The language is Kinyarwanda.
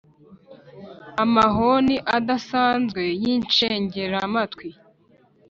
amahoni adasanzwe y’incengeramatwi